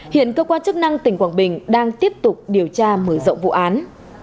hiện cơ quan chức năng tỉnh quảng bình đang tiếp tục điều tra mở rộng vụ án